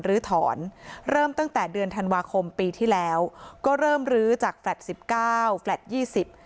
ลื้อถอนเริ่มตั้งแต่เดือนธันวาคมปีที่แล้วก็เริ่มลื้อจากแฟลต์สิบเก้าแฟลต์ยี่สิบ